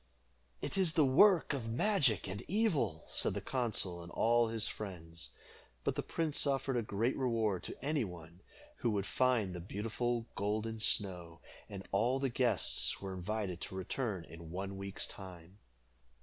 "It is the work of magic and evil," said the consul and all his friends; but the prince offered a great reward to any one who would find the beautiful Golden Snow, and all the guests were invited to return in one week's time.